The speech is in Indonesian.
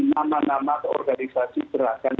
nama nama atau organisasi gerakan